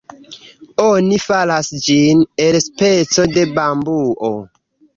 Oni faras ĝin el speco de bambuo.